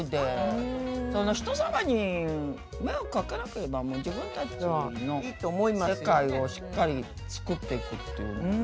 人様に迷惑かけなければもう自分たちの世界をしっかり作っていくっていう。